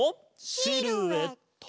シルエット！